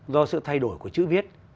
do sự thay đổi của chữ viết